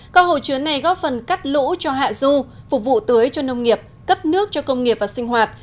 các hồ chứa này góp phần cắt lũ cho hạ du phục vụ tưới cho nông nghiệp cấp nước cho công nghiệp và sinh hoạt